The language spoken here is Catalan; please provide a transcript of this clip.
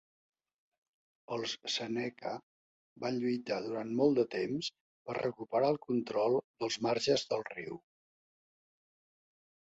Els seneca van lluitar durant molt de temps per recuperar el control dels marges del riu.